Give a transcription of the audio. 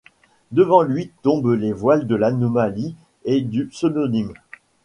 Devant lui tombent les voiles de l’anonyme et du pseudonyme.